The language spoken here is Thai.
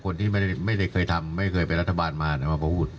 คนที่ไม่ได้เคยทำไม่เคยเป็นรัฐบาลมามาก็พูด